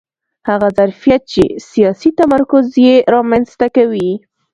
هغه ظرفیت چې سیاسي تمرکز یې رامنځته کوي